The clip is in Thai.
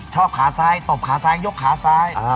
ขาซ้ายตบขาซ้ายยกขาซ้าย